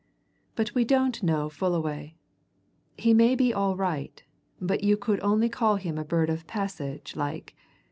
But we don't know Fullaway. He may be all right, but you could only call him a bird of passage, like.